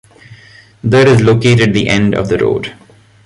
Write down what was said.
There is located the "end of the road".